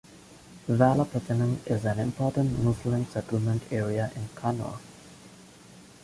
Valapattanam is an important Muslim settlement area in Kannur.